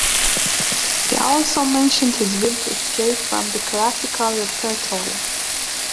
He also mentioned his will to escape from the classical repertoire.